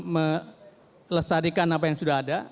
melestarikan apa yang sudah ada